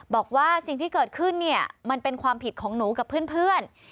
บอกว่าสิ่งที่เกิดขึ้นเนี่ยมันเป็นความผิดของหนูกับเพื่อน